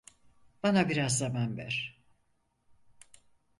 Bana biraz zaman ver.